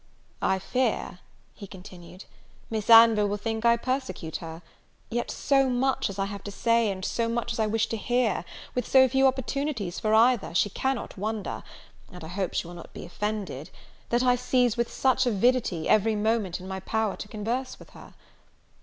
"I fear," he continued, "Miss Anville will think I persecute her: yet so much as I have to say, and so much as I wish to hear, with so few opportunities for either, she cannot wonder and I hope she will not be offended that I seize with such avidity every moment in my power to converse with her.